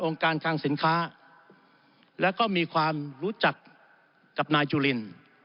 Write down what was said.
การคังสินค้าแล้วก็มีความรู้จักกับนายจุลิน